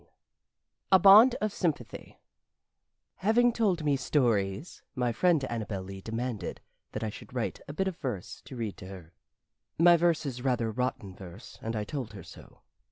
XXI A BOND OF SYMPATHY Having told me stories, my friend Annabel Lee demanded that I should write a bit of verse to read to her. My verse is rather rotten verse, and I told her so.